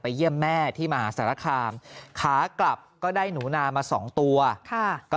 เยี่ยมแม่ที่มหาสารคามขากลับก็ได้หนูนามาสองตัวค่ะก็